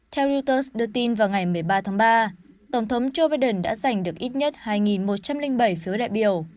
theo reuters đưa tin vào ngày một mươi ba tháng ba tổng thống joe biden đã giành được ít nhất hai một trăm linh bảy phiếu đại biểu